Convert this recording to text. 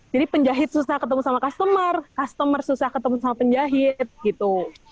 jadi penjahit susah ketemu sama customer customer susah ketemu sama penjahit gitu